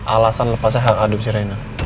alasan lepasnya hak adub si rena